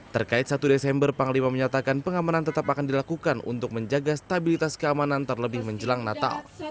terkait satu desember panglima menyatakan pengamanan tetap akan dilakukan untuk menjaga stabilitas keamanan terlebih menjelang natal